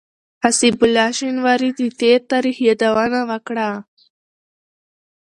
حسيب الله شينواري د تېر تاريخ يادونه وکړه.